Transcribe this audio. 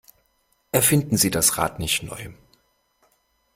Erfinden Sie das Rad nicht neu!